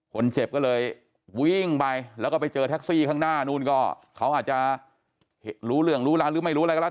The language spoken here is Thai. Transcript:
คนเจ็บก็เลยวิ่งไปแล้วก็ไปเจอแท็กซี่ข้างหน้านู้นก็เขาอาจจะรู้เรื่องรู้ราวหรือไม่รู้อะไรก็แล้ว